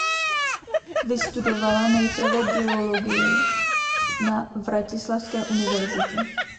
Vystudovala nejprve geologii na Vratislavské univerzitě.